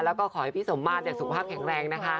แล้วก็ขอให้พี่สมมาตรสุขภาพแข็งแรงนะคะ